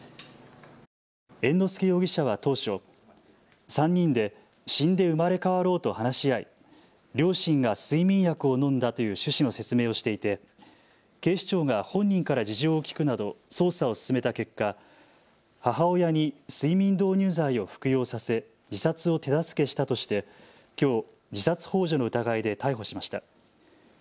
猿之助容疑者は当初、３人で死んで生まれ変わろうと話し合い両親が睡眠薬を飲んだという趣旨の説明をしていて警視庁が本人から事情を聴くなど捜査を進めた結果、母親に睡眠導入剤を服用させ自殺を手助けしたとしてきょう、自殺ほう助の疑いで逮捕しました。